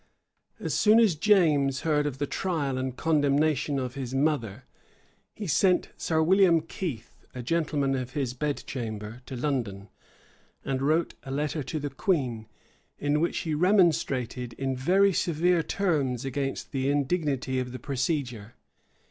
As soon as James heard of the trial and condemnation of his mother, he sent Sir William Keith, a gentleman of his bed chamber, to London; and wrote a letter to the queen, in which he remonstrated in very severe terms against the indignity of the procedure.